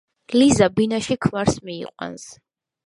ლიზა ბინაში ქმარს მიიყვანს.